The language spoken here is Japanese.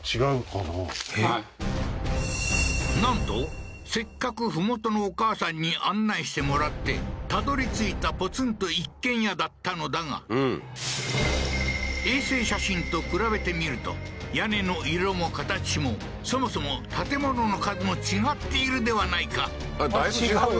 なんとせっかく麓のお母さんに案内してもらって辿り着いたポツンと一軒家だったのだが衛星写真と比べてみると屋根の色も形もそもそも建物の数も違っているではないかだいぶ違うよ